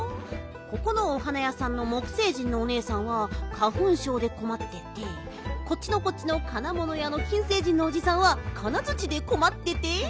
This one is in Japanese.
ここのお花やさんの木星人のおねえさんは花ふんしょうでこまっててこっちのこっちの金ものやの金星人のおじさんは金づちでこまってて。